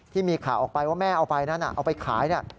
ที่มีข่าวออกไปว่าแม่เอาไปนั้นเอาไปขาย